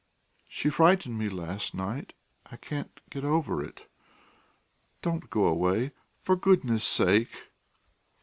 She frightened me last night; I can't get over it.... Don't go away, for goodness' sake!..."